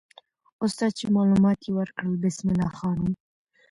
استاد چې معلومات یې ورکړل، بسم الله خان وو.